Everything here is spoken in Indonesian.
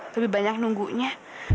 lebih banyak nunggunya